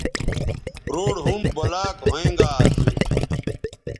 روڈ ھُم بلاکھوینگااسو